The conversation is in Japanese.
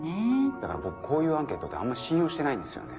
だから僕こういうアンケートってあんま信用してないんですよね。